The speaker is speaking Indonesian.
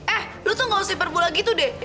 eh lo tuh gak usah perbual gitu deh